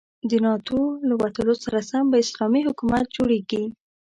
د ناتو له وتلو سره سم به اسلامي حکومت جوړيږي.